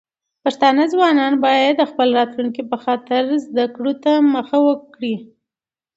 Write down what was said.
پښتانه ځوانان بايد د خپل راتلونکي په خاطر زده کړو ته مخه کړي.